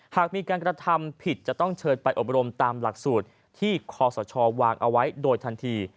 หากมีการกระทำผิดจะต้องเชิญไปอบรมตามหลักสูตรที่คอสชวางเอาไว้โดยทันที